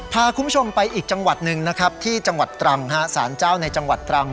พาคุณผู้ชมไปอีกจังหวัดหนึ่งนะครับที่จังหวัดตรังสารเจ้าในจังหวัดตรัง